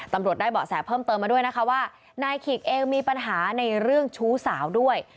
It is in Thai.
ตำรวจได้เบาะแสเพิ่มเติมมาด้วยนะคะว่านายขิกเองมีปัญหาในเรื่องชู้สาวด้วย